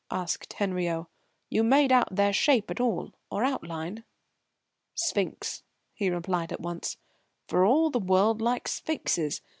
asked Henriot. "You made out their shape at all, or outline?" "Sphinx," he replied at once, "for all the world like sphinxes.